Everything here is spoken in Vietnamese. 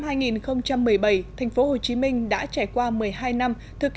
thực hiện tổng cộng đồng tổng cộng đồng tổng cộng đồng tổng cộng đồng tổng cộng đồng